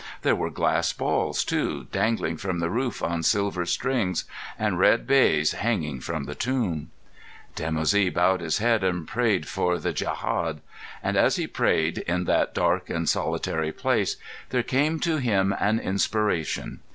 There were glass balls, too, dangling from the roof on silver strings, and red baize hanging from the tomb. Dimoussi bowed his head and prayed for the djehad. And as he prayed in that dark and solitary place there came to him an inspiration.